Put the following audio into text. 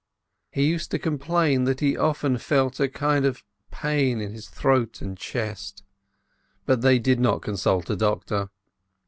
He used to complain that he often felt a kind of pain in his throat and chest, but they did not consult a doctor.